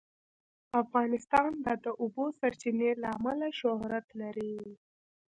افغانستان د د اوبو سرچینې له امله شهرت لري.